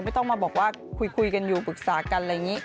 ไม่ต้องมาบอกว่าคุยกันอยู่ปรึกษากันอะไรอย่างนี้